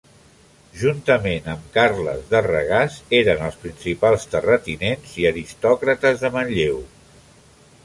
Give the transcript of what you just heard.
Juntament amb Carles de Regàs eren els principals terratinents i aristòcrates de Manlleu.